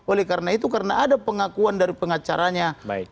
oleh karena itu karena ada pengakuan dari pengacaranya